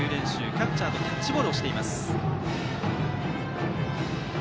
キャッチャーとキャッチボールをしています。